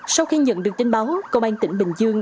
sau khi nhận được tin báo công an tỉnh bình dương